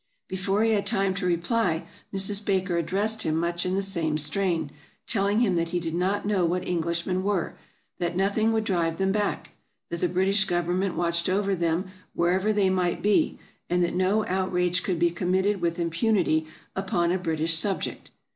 Before he had time to reply, Mrs. Baker addressed him much in the same strain, telling him that he did not know what Englishmen were; that nothing would drive them back ; that the British government watched over them wher ever they might be, and that no outrage could be committed with impunity upon a British subject.